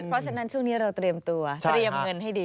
เพราะฉะนั้นช่วงนี้เราเตรียมตัวเตรียมเงินให้ดี